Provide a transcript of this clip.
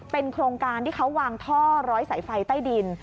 เป็นโครงการที่เขาวางท่อร้อยสายไฟใต้ดิน